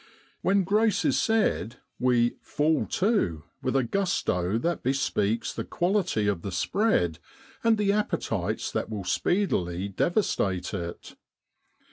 When grace is said we * fall to ' with a gusto that bespeaks the quality of the spread and the appetites that will speedily devastate it.